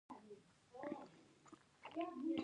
ولایتونه د اقلیمي نظام یو ښه ښکارندوی دی.